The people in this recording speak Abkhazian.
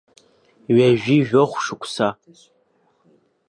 Ҩажәи жәохә шықәса.